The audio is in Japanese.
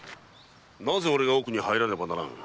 なぜ俺が奥に入らねばならぬ？